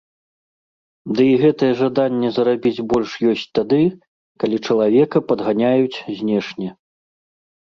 Ды і гэтае жаданне зарабіць больш ёсць тады, калі чалавека падганяюць знешне.